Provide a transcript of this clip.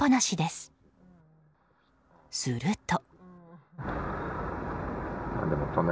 すると。